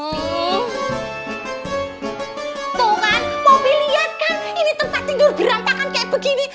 tuh kan momi lihat kan ini tempat tidur berantakan kayak begini